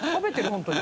本当に。